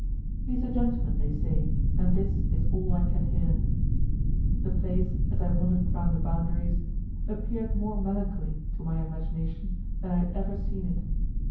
He is a gentleman, they say, and this is all I can hear. The place, as I wandered round the boundaries, appeared more melancholy to my imagination, than I had ever seen it.